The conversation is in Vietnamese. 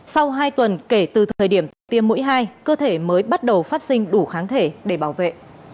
sau hai tuần kể từ thời điểm tiêm mũi hai cơ thể mới bắt đầu phát sinh đủ kháng thể để bảo vệ